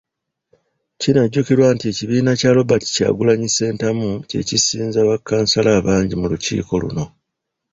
Kinajjukirwa nti ekibiina kya Robert Kyagulanyi Ssentamu kye kisinza bakkansala abangi mu lukiiko luno .